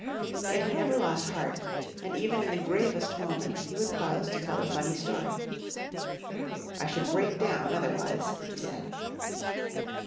Yet he never lost heart, and even in the gravest moments he would pause to tell a funny story. "I should break down otherwise," he said.